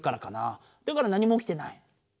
だから何もおきてない。